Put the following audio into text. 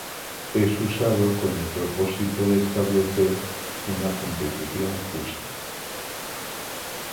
Es usado con el propósito de establecer una competición justa.